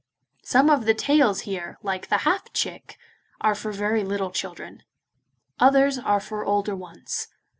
Some of the tales here, like The Half Chick, are for very little children; others for older ones.